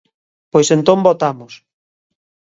Pois entón votamos.